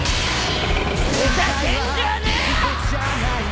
ふざけんじゃねえ！